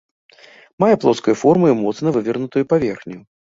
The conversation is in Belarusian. Мае плоскую форму і моцна вывернутую паверхню.